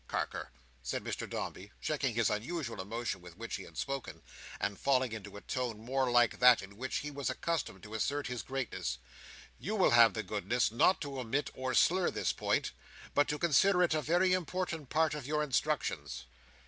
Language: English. —Carker," said Mr Dombey, checking the unusual emotion with which he had spoken, and falling into a tone more like that in which he was accustomed to assert his greatness, "you will have the goodness not to omit or slur this point, but to consider it a very important part of your instructions."